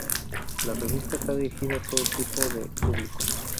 La revista está dirigida a todo tipo de público.